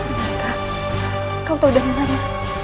kau tahu dari mana